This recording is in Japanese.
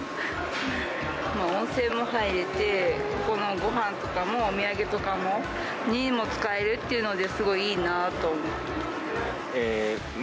温泉に入れて、ここのごはんとかも、お土産とかにも使えるっていうのはすごいいいなと思います。